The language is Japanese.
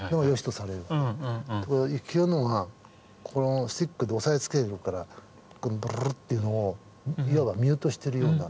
ところが幸宏のはこのスティックで押さえつけてるからこのブルルっていうのをいわばミュートしてるような。